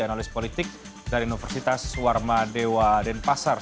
analis politik dari universitas warma dewa dan pasar